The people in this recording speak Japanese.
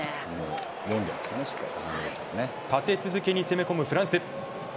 立て続けに攻め込むフランス。